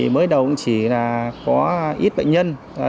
mới đầu cũng chỉ là có ít bệnh nhân